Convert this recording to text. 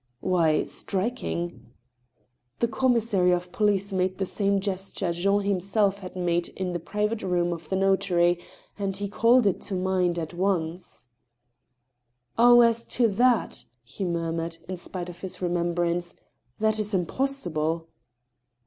« Why— striking." The commissary of police made the same gesture Jean himself had made in the private room of the notary, and he called it to mind at once. " Oh, as to that," he murmured, in spite of his remembrance, " that is impossible."